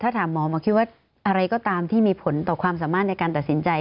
ถ้าถามหมอหมอคิดว่าอะไรก็ตามที่มีผลต่อความสามารถในการตัดสินใจ